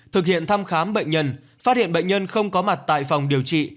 thực hiện thăm khám bệnh nhân phát hiện bệnh nhân không có mặt tại phòng điều trị